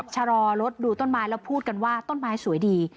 ชะลอรถดูต้นไม้แล้วพูดกันว่าต้นไม้สวยดี